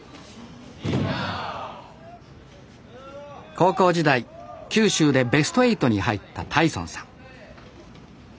高校時代九州でベスト８に入った太尊さん